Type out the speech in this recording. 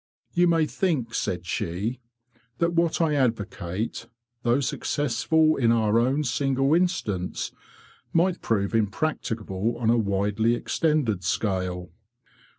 "You may think,'' said she, '' that what I advocate, though successful in our own single instance, might prove impracticable on a widely ex tended scale.